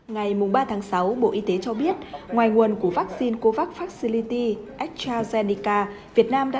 ngày ba tháng sáu bộ y tế cho biết ngoài nguồn của vắc xin covax facility astrazeneca việt nam đã